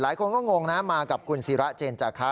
หลายคนก็งงนะมากับคุณศิราเจนจาคะ